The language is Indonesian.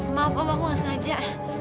maaf om aku gak sengaja